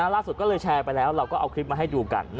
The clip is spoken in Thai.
ล่าสุดก็เลยแชร์ไปแล้วเราก็เอาคลิปมาให้ดูกัน